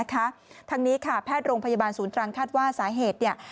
ทางนี้ค่ะแพทย์โรงพยาบาลศูนย์ตรังคาดว่าสาเหตุเนี่ย